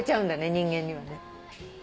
人間にはね。